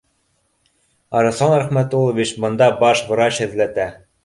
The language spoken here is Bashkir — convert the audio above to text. — Арыҫлан Рәхмәтуллович, бында баш врач эҙләтә